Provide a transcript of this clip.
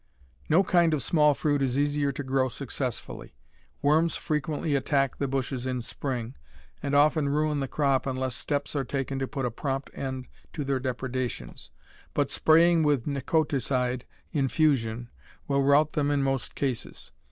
No kind of small fruit is easier to grow successfully. Worms frequently attack the bushes in spring, and often ruin the crop unless steps are taken to put a prompt end to their depredations, but spraying with Nicoticide infusion will rout them in most cases.